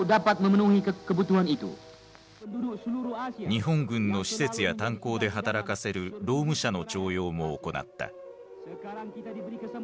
日本軍の施設や炭鉱で働かせる労務者の徴用も行った。